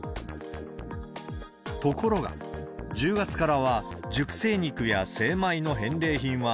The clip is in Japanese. ところが、１０月からは、熟成肉や精米の返礼品は、